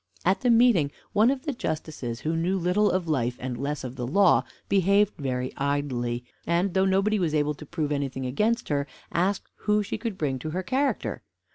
At the meeting, one of the justices who knew little of life, and less of the law, behaved very idly; and, though nobody was able to prove anything against her, asked who she could bring to her character.